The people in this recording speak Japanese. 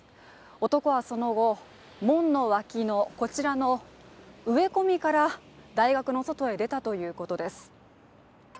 男はその後、門の脇のこちらの植え込みから大学の外へ出たということです。